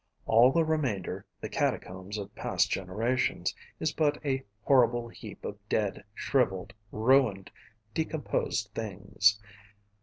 All the remainder, the catacombs of past generations, is but a horrible heap of dead, shrivelled, ruined, decomposed things.